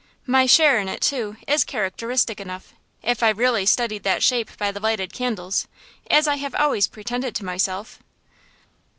My share in it, too, is characteristic enough, if I really studied that Shape by the lighted candles, as I have always pretended to myself.